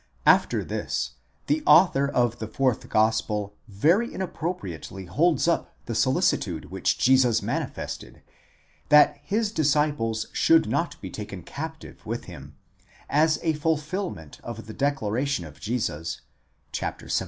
After this, the author of the fourth gospel very inappropriately holds up the solicitude which Jesus manifested that his disciples should not be taken captive with him, as a fulfilment of the declaration of Jesus (xvii.